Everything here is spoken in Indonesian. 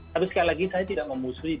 tapi sekali lagi saya tidak memusuhi